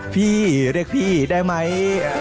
พี่เรียกพี่ได้ไหม